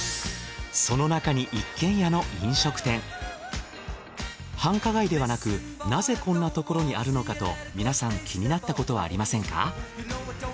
その中に繁華街ではなくなぜこんな所にあるのかと皆さん気になったことはありませんか？